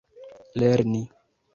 lerni